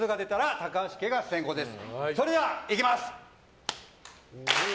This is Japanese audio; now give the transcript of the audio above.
高橋家の先攻です。